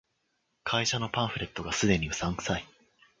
会社のパンフレットが既にうさんくさい